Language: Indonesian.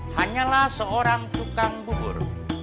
hanyalah seorang tukang bubur